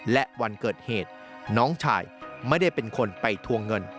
และวันเกิดเหตุน้องชายไม่ได้เป็นคนไปทวงเงิน